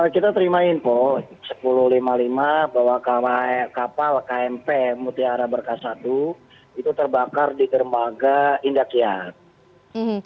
kita terima info sepuluh lima puluh lima bahwa kapal kmp mutiara berkah satu itu terbakar di dermaga indahkiat